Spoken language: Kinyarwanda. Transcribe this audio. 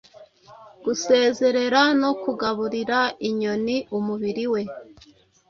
gusezerera no kugaburira inyoni umubiri we